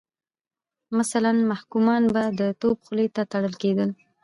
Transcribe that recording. مثلا محکومان به د توپ خولې ته تړل کېدل.